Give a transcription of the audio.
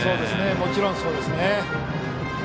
もちろんそうですね。